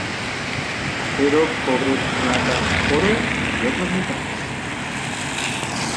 Acero, cobre, plata, oro y otros metales.